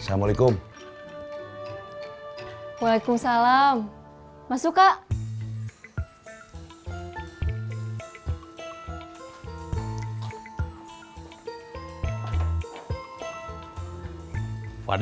kamu mau jangan kacau